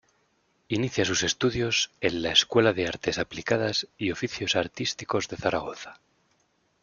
Inicia sus estudios en la Escuela de Artes Aplicadas y Oficios Artísticos de Zaragoza.